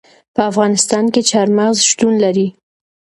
په افغانستان کې چار مغز شتون لري.